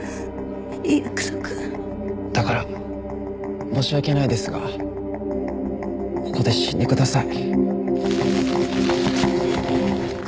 だから申し訳ないですがここで死んでください。